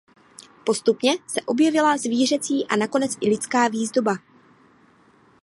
Postupně se objevila zvířecí a nakonec i lidská výzdoba.